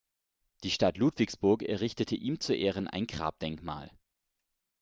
Die Stadt Ludwigsburg errichtete ihm zu Ehren ein Grabdenkmal.